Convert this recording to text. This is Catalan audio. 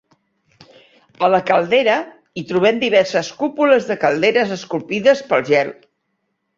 A la caldera, hi trobem diverses cúpules de calderes esculpides pel gel.